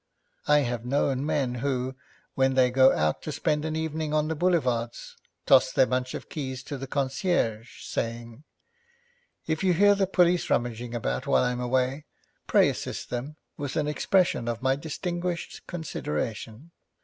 I have known men who, when they go out to spend an evening on the boulevards, toss their bunch of keys to the concierge, saying, 'If you hear the police rummaging about while I'm away, pray assist them, with an expression of my distinguished consideration.'